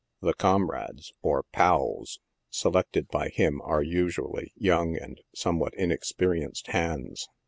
The comrades, or " pals," se lected by him are usually young and somewhat inexperienced hands.